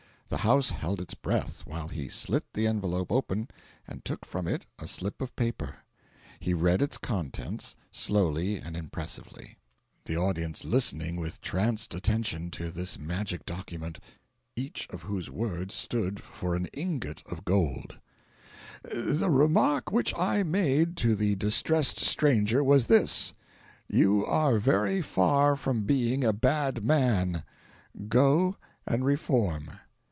The house held its breath while he slit the envelope open and took from it a slip of paper. He read its contents slowly and impressively the audience listening with tranced attention to this magic document, each of whose words stood for an ingot of gold: "'The remark which I made to the distressed stranger was this: "You are very far from being a bad man; go, and reform."'